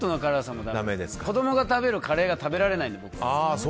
子供が食べるカレーが食べられないんです。